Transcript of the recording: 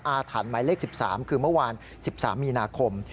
อาถรรพ์หมายเลข๑๓คือเมื่อวาน๑๓มีนาคม